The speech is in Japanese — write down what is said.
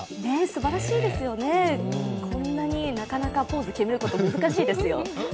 すばらしいですよね、なかなかこんなにポーズ決めること難しいですよ。